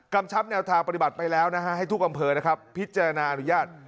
กำชับแนวทางปฏิบัติไปแล้วให้ทุกกำเภอพิจารณาอนุญาต